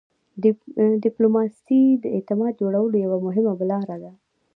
ډيپلوماسي د اعتماد جوړولو یوه مهمه لار ده.